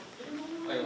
おはよう。